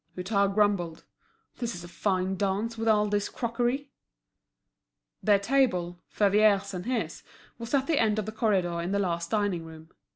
Hutin grumbled, "This is a fine dance, with all this crockery!" Their table, Favier's and his, was at the end of the corridor in the last dining room.